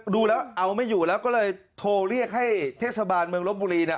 ดูแล้วเอาไม่อยู่แล้วก็เลยโทรเรียกให้เทศบาลเมืองลบบุรีเนี่ย